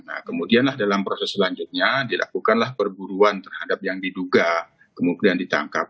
nah kemudian dalam proses selanjutnya dilakukanlah perburuan terhadap yang diduga kemudian ditangkap